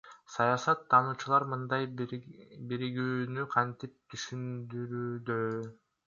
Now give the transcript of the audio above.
Саясат тануучулар мындай биригүүнү кантип түшүндүрүүдө?